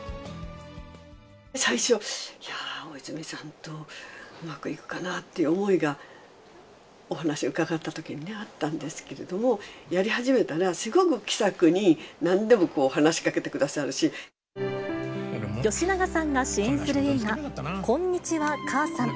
最初、いやー、大泉さんとうまくいくかなっていう思いが、お話伺ったときにあったんですけれども、やり始めたら、すごく気さくに、吉永さんが主演する映画、こんにちは、母さん。